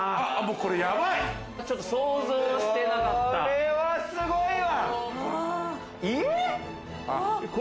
これはすごいわ。